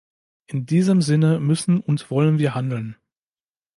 In diesem Sinne müssen und wollen wir handeln.